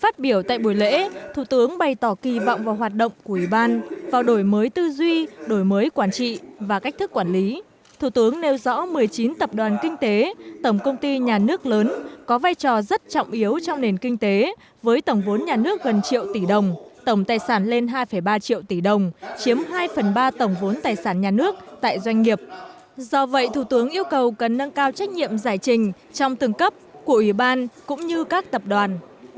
thủ tướng bày tỏ kỳ vọng và hoạt động của ủy ban vào đổi mới tư duy đổi mới quản trị và cách thức quản lý thủ tướng nêu rõ một mươi chín tập đoàn kinh tế tổng công ty nhà nước lớn có vai trò rất trọng yếu trong nền kinh tế với tổng vốn nhà nước gần triệu tỷ đồng tổng tài sản lên hai ba triệu tỷ đồng chiếm hai phần ba tổng vốn tài sản nhà nước tại doanh nghiệp do vậy thủ tướng yêu cầu cần nâng cao trách nhiệm giải trình trong từng cấp của ủy ban cũng như các tập đoàn